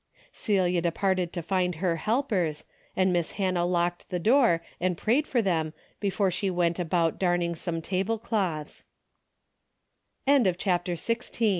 Celia departed to find her helpers, and Miss Hannah locked the door and prayed for them before she went about darning some table clot